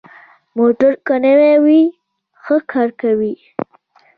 موټر که نوي وي، ښه کار کوي.